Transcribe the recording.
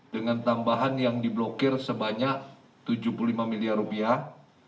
dengan tambahan yang diblokir sebanyak tujuh puluh lima miliar rupiah